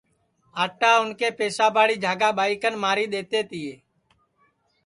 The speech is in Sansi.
آٹا اُن کے پساباڑی جھاگا ٻائی کن ماری دؔیتے تیے